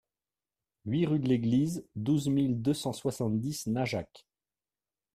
huit rue de L'Église, douze mille deux cent soixante-dix Najac